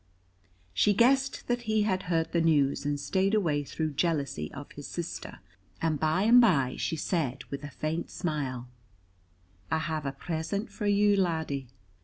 She guessed that he had heard the news and stayed away through jealousy of his sister, and by and by she said, with a faint smile, "I have a present for you, laddie."